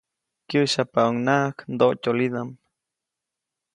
Kyäsyapaʼuŋnaʼak ndoʼtyolidaʼm.